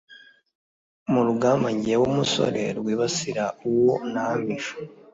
mu rugamba jyewe musore rwibasira uwo nahamije